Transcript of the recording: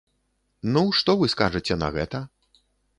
Ну, што вы скажаце на гэта?